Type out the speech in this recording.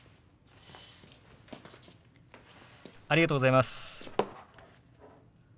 ありがとうございます。